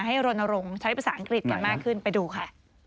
ให้โรนโรงใช้ภาษาอังกฤษกันมากขึ้นไปดูค่ะ